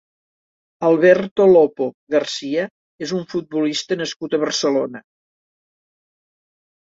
Alberto Lopo García és un futbolista nascut a Barcelona.